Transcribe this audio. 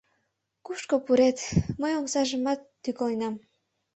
Кушко пурет, мый омсажымат тӱкыленам.